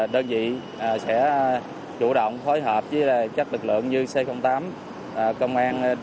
đơn vị sẽ chủ động phối hợp với các lực lượng như c tám công an